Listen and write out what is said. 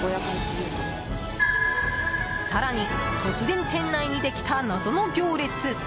更に、突然店内にできた謎の行列。